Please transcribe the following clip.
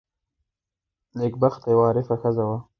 نېکبخته یوه عارفه ښځه وه.